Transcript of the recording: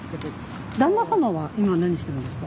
旦那様は今何してるんですか？